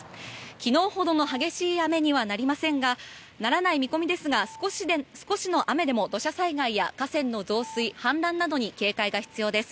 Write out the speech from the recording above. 昨日ほどの激しい雨にはなりませんがならない見込みですが少しの雨でも土砂災害や河川の増水・氾濫などに警戒が必要です。